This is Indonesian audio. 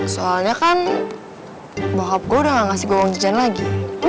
soalnya kan bokap gue udah gak ngasih gogong jejak lagi